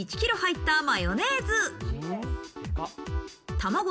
１ｋｇ入ったマヨネーズ。